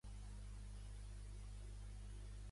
Abans de llençar quelcom, fes-lo nou de nou.